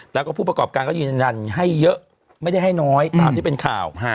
แล้วก็ผู้ประกอบการก็ยืนยันให้เยอะไม่ได้ให้น้อยตามที่เป็นข่าว